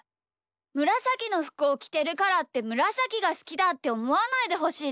むらさきのふくをきてるからってむらさきがすきだっておもわないでほしいです。